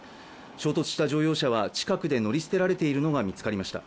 衝突した乗用車は近くで乗り捨てられいるのが見つかりました。